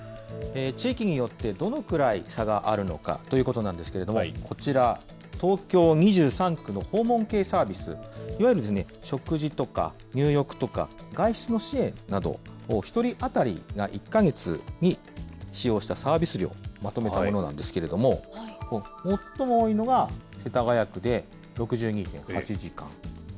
地域によってどのくらい差があるのかということなんですけれども、こちら、東京２３区の訪問系サービス、いわゆるですね、食事とか、入浴とか、外出の支援などを、１人当たりが１か月に使用したサービス量をまとめたものなんですけれども、最も多いのが世田谷区で６２．８時間。